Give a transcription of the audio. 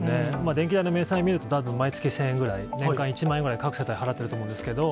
電気代の明細みると、毎月１０００円ぐらい、年間１万円ぐらい各家庭払ってると思うんですけど。